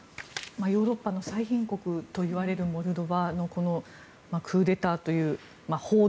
ヨーロッパの最貧国といわれるモルドバのこのクーデターという報道